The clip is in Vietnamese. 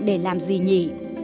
để làm gì nhỉ